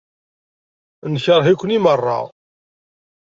Nekṛeh-iken i meṛṛa.